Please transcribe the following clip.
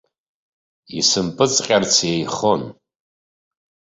Исымпыҵҟьарц еихон.